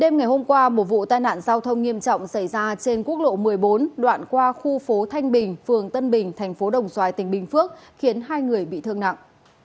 đêm ngày hôm qua một vụ tai nạn giao thông nghiêm trọng xảy ra trên quốc lộ một mươi bốn đoạn qua khu phố thanh bình phường tân bình thành phố đồng xoài tỉnh bình phước khiến hai người bị thương nặng